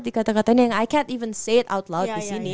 dikatakan katanya yang gak bisa gue bilang secara terang disini